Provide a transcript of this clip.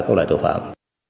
các loại tội phạm